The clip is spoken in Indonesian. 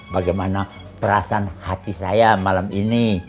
bagaimana perasaan hati saya malam ini